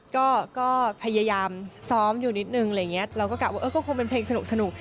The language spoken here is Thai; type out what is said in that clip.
ก็พยายามซ้อมอยู่นิดหนึ่งเราก็กลับว่าเค้าโค้งเป็นเพลงสนุก